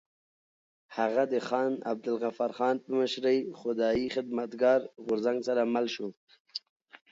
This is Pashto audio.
هغه د خان عبدالغفار خان په مشرۍ خدایي خدمتګار غورځنګ سره مل شو.